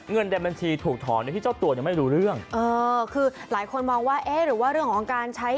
เงินในบัญชีถูกถอนโดยที่เจ้าตัวยังไม่รู้เรื่องเออคือหลายคนมองว่าเอ๊ะหรือว่าเรื่องของการใช้